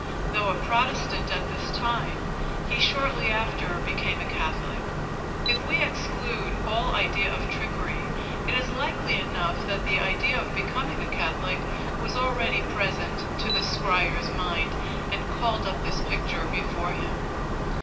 Though a Protestant at this time, he shortly after became a Catholic. If we exclude all idea of trickery, it is likely enough that the idea of becoming a Catholic was already present to the scryer's mind and called up this picture before him.